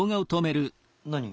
何？